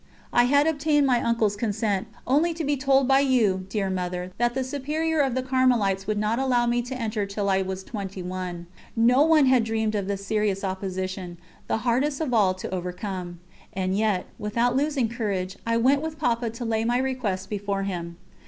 I had obtained my uncle's consent, only to be told by you, dear Mother, that the Superior of the Carmelites would not allow me to enter till I was twenty one. No one had dreamt of this serious opposition, the hardest of all to overcome. And yet, without losing courage, I went with Papa to lay my request before him.